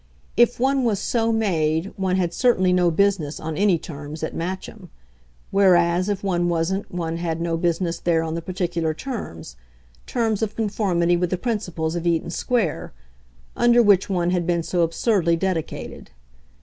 If one was so made one had certainly no business, on any terms, at Matcham; whereas if one wasn't one had no business there on the particular terms terms of conformity with the principles of Eaton Square under which one had been so absurdly dedicated.